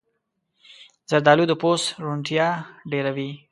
زردالو د پوست روڼتیا ډېروي.